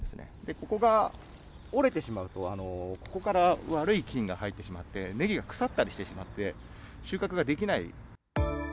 ここが折れてしまうと、ここから悪い菌が入ってしまって、ネギが腐ったりしてしまって、収穫ができない。